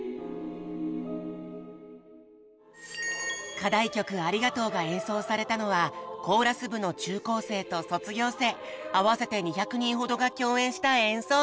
課題曲「ありがとう」が演奏されたのはコーラス部の中高生と卒業生合わせて２００人ほどが共演した演奏会。